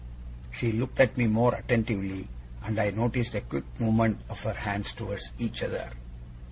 She looked at me more attentively, and I noticed a quick movement of her hands towards each other.